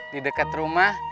di dekat rumah